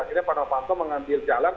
akhirnya pak novanto mengambil jalan